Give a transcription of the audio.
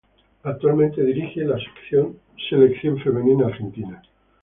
Actualmente dirige a la Selección femenina argentina.